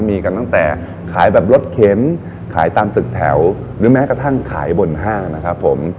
มีกันตั้งแต่ขายแบบรถเข็นขายตามตึกแถวหรือแม้กระทั่งขายบนห้างนะครับผม